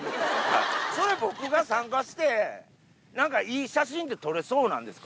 それ、僕が参加して、なんか、いい写真って撮れそうなんですか？